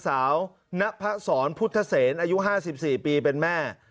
สอนพุทธเศรอายุ๕๔ปีเป็นแม่